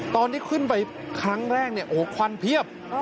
ตอนที่ขึ้นไปครั้งแรกเนี่ยโอ้โหควันเพียบ